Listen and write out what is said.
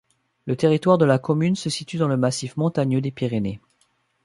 Le territoire de la commune se situe dans le massif montagneux des Pyrénées.